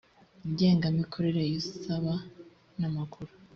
ngengamikorere y usaba n amakuru